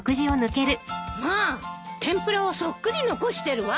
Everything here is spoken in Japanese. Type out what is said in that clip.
まあてんぷらをそっくり残してるわ。